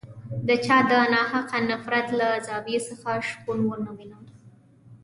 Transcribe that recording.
د چا د ناحقه نفرت له زاویې څخه شپون ونه وینم.